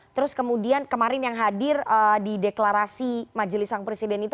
terus kemudian kemarin yang hadir di deklarasi majelis presiden itu